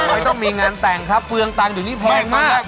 ไม่ต้องมีงานแต่งครับเปลืองตังค์เดี๋ยวนี้แพงมาก